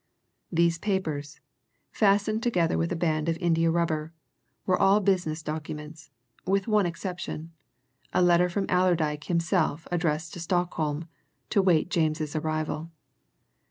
These papers, fastened together with a band of india rubber, were all business documents, with one exception a letter from Allerdyke himself addressed to Stockholm, to wait James's arrival.